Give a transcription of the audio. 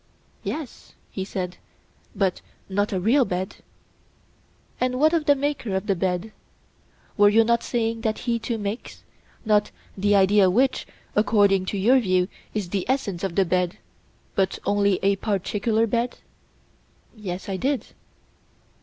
Yes, he said, but not a real bed. And what of the maker of the bed? were you not saying that he too makes, not the idea which, according to our view, is the essence of the bed, but only a particular bed? Yes, I did.